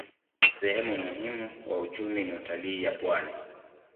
Sehemu muhimu wa uchumi ni utalii ya pwani.